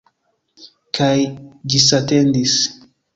Kaj ĝisatendis.